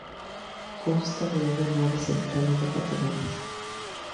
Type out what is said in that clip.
Consta de una nave central y dos laterales.